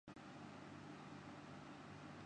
بہت سارے سوالات کے جوابات جانتا ہوں